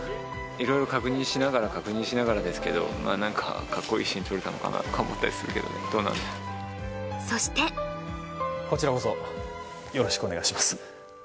色々確認しながら確認しながらですけどまあ何かかっこいいシーン撮れたのかなとか思ったりするけどねどうなんだそしてこちらこそよろしくお願いします